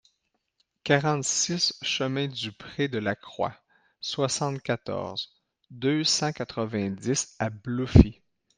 quarante-six chemin du Pre de la Croix, soixante-quatorze, deux cent quatre-vingt-dix à Bluffy